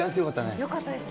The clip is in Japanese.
よかったですね。